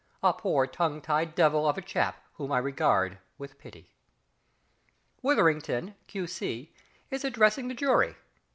A poor tongue tied devil of a chap whom I regard with pity! WITHERINGTON, Q.C., is addressing the jury.